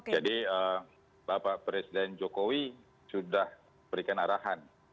jadi bapak presiden jokowi sudah berikan arahan